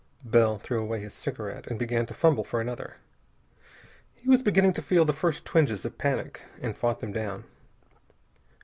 Bell threw away his cigarette and began to fumble for another. He was beginning to feel the first twinges of panic, and fought them down.